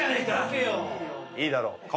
いいだろう。